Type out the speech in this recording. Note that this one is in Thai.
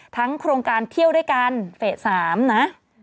โครงการเที่ยวด้วยกันเฟส๓นะ